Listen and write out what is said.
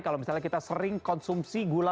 kalau misalnya kita sering konsumsi gula